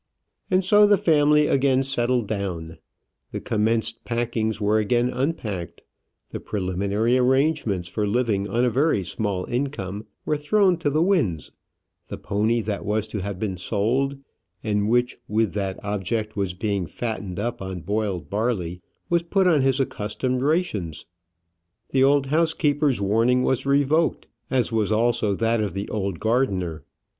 And so the family again settled down; the commenced packings were again unpacked; the preliminary arrangements for living on a very small income were thrown to the winds; the pony that was to have been sold, and which with that object was being fattened up on boiled barley, was put on his accustomed rations; the old housekeeper's warning was revoked, as was also that of the old gardener.